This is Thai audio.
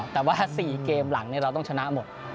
แต่ว่า๔เกมหลังเราต้องชนะหมด